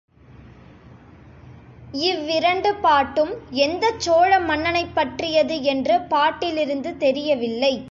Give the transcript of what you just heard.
இவ்விரண்டு பாட்டும் எந்தச் சோழ மன்னனைப் பற்றியது என்று பாட்டிலிருந்து தெரியவில்லை.